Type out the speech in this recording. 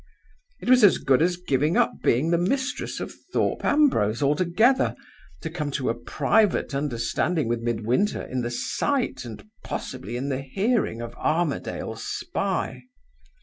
It was as good as giving up being mistress of Thorpe Ambrose altogether, to come to a private understanding with Midwinter in the sight and possibly in the hearing of Armadale's spy.